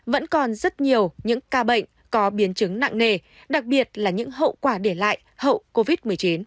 vẫn còn rất nhiều những ca bệnh có biến chứng nặng nề đặc biệt là những hậu quả để lại hậu covid một mươi chín